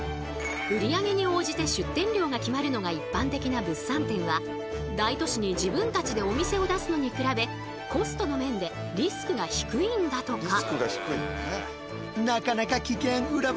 売り上げに応じて出店料が決まるのが一般的な物産展は大都市に自分たちでお店を出すのに比べコストの面でリスクが低いんだとか。